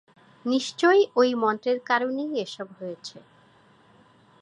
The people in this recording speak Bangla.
নিশ্চয়ই ঐ মন্ত্রের কারণেই এসব হয়েছে।